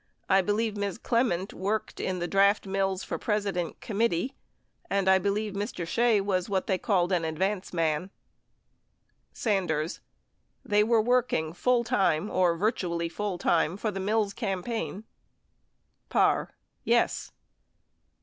I believe Ms. Clement worked in the Draft Mills for President Committee. ... And I believe Mr. Shea was what they called an advance man Sanders. ... they were working full time or virtually full time for the Mills campaign ? Parr. Yes.